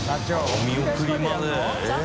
お見送りまでえっ？